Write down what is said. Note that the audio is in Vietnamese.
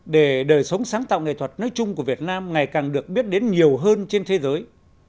để đời sống sáng tạo nghệ thuật nói chung của việt nam ngày càng được biết đến nhiều hơn trên thế giới